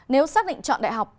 nếu xác định chọn đại học